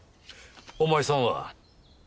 お前さんは？